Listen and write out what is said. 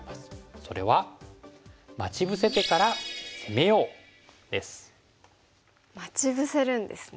それは待ち伏せるんですね。